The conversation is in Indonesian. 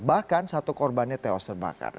bahkan satu korbannya tewas terbakar